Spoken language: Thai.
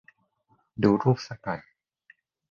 ดูรูปสักหน่อย